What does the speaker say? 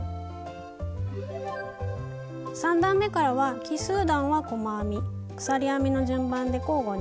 ３段めからは奇数段は細編み鎖編みの順番で交互に。